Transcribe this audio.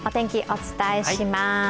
お伝えします。